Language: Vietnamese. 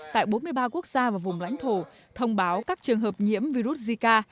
tại bốn mươi ba quốc gia và vùng lãnh thổ thông báo các trường hợp nhiễm virus zika